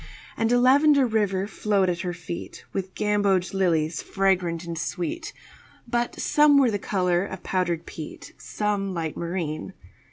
And a lavender river flowed at her feet With gamboge lilies fragrant and sweet, But some were the color of powdered peat, Some light marine.